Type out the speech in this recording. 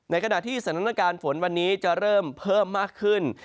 ขณะที่สถานการณ์ฝนวันนี้จะเริ่มเพิ่มมากขึ้น